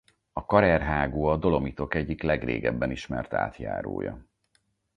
Karer-hágó a Dolomitok egyik legrégebben ismert átjárója.